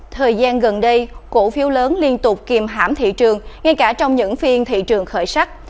thời gian gần đây cổ phiếu lớn liên tục kìm hãm thị trường ngay cả trong những phiên thị trường khởi sắc